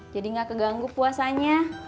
jadi gak keganggu puasanya